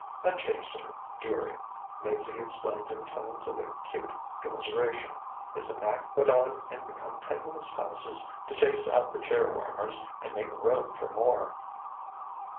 "A chaser, dearie," Maizie explained in tones of acute commiseration, "is an act put on in the continuous houses to chase out the chair warmers and make room for more."